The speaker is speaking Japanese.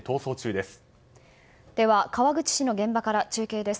では川口市の現場から中継です。